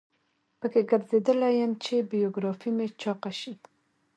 په کې ګرځیدلی یم چې بیوګرافي مې چاقه شي.